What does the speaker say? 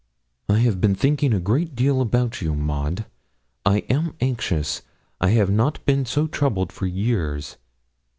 'I have been thinking a great deal about you, Maud. I am anxious. I have not been so troubled for years.